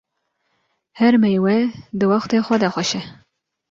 Her meywe di wexta xwe de xweş e